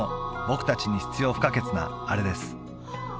僕達に必要不可欠なあれです